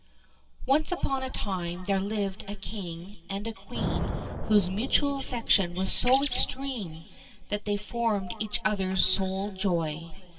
ONCE upon a time there lived a king and a queen whose mutual affection was so extreme that they formed each other's sole joy.